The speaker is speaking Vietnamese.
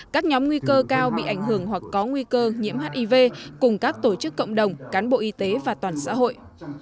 các nhóm nguy cơ cao bị ảnh hưởng hoặc có nguy cơ nhiễm hiv cùng các tổ chức cộng đồng cán bộ y tế và toàn xã hội